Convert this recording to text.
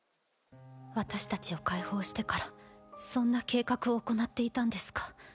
私たちを解放してからそんな計画を行っていたんですか？